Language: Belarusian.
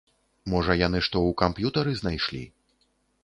Можа яны што ў камп'ютары знайшлі?